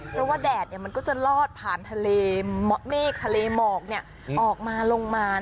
เพราะว่าแดดมันก็จะลอดผ่านทะเลเมฆทะเลหมอกออกมาลงมา